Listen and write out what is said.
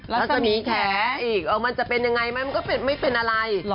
รักษะหมีแขกอีกมันจะเป็นยังไงมันก็ไม่เป็นอะไร